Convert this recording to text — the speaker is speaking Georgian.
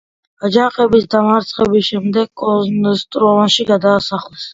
აჯანყების დამარცხების შემდეგ კოსტრომაში გადაასახლეს.